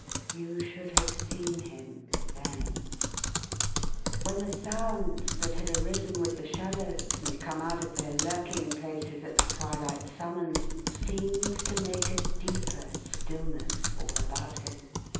You should have seen him, then. When the sounds that had arisen with the shadows, and come out of their lurking places at the twilight summons, seemed to make a deeper stillness all about him.